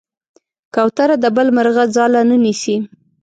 کوتره د بل مرغه ځاله نه نیسي.